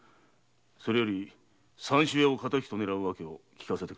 それより三州屋を敵と狙う訳を聞かせてくれ。